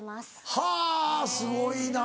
はぁすごいな。